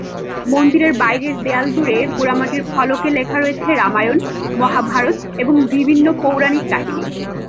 মন্দিরের বাইরের দেয়াল জুড়ে পোড়ামাটির ফলকে লেখা রয়েছে রামায়ণ, মহাভারত এবং বিভিন্ন পৌরাণিক কাহিনী।